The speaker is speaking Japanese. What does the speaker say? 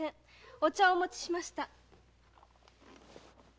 お茶をお持ちしました。